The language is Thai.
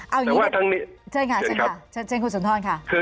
เอาอย่างงี้นะคุณสำควรค่ะ